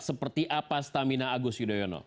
seperti apa stamina agus yudhoyono